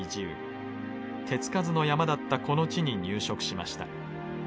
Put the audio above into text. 手付かずの山だったこの地に入植しました。